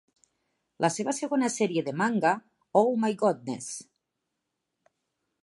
La seva segona sèrie de manga Oh My Goddess!